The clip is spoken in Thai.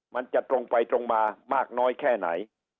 มันจะตรงไปตรงมามากน้อยแค่ไหน